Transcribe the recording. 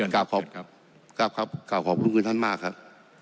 ครับครับขอขอบคุณคุณท่านมากครับ